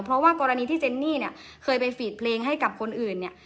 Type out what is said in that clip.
เพราะว่ากรณีที่เจนนี่เนี่ยเคยไปฝีดเพลงให้กับคนอื่นเนี่ย